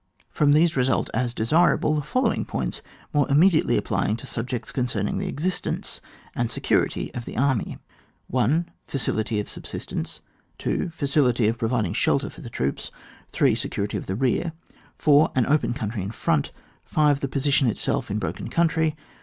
From these result, as desirable, the following points more immediately appljdngto subjects concerning the exist ence and security of the army. 1. Facility of subsistence. 2. Facility of providing shelter for the troops. 3. Security of the rear. 4. An open country in front. 5. The position itself in a broken country.